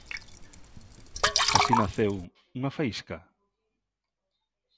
Así naceu, unha faísca?